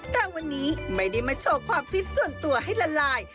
แต่วันนี้ไม่ได้มาโชว์ความฟิตส่วนตัวให้ละลาย